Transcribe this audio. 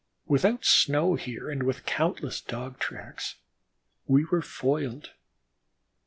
Without snow here and with countless Dog tracks, we were foiled.